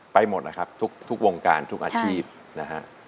หมดนะครับทุกวงการทุกอาชีพนะฮะ